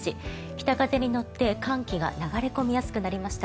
北風に乗って、寒気が流れ込みやすくなりました。